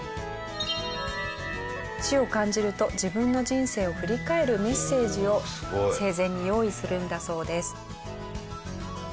死を感じると自分の人生を振り返るメッセージを生前に用意するんだそうです。